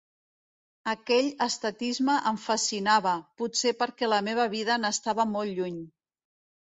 Aquell estatisme em fascinava, potser perquè la meva vida n'estava molt lluny.